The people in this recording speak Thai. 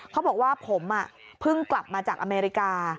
เขาบอกว่าผมเพิ่งกลับมาจากอเมริกา